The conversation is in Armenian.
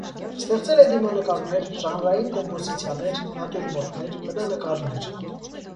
Ստեղծել է դիմանկարներ, ժանրային կոմպոզիցիաներ, նատյուրմորտներ, բնանկարներ։